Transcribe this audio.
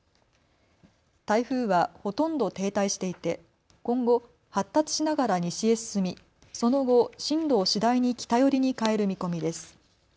台風はほとんど停滞していて今後、発達しながら西へ進みその後、進路を次第に北寄りに変える見込みです。